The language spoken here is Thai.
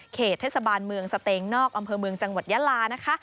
เขตเทศบาลเมืองสเตงนอกอำเภอเมืองจังหวัดยาลานะคะ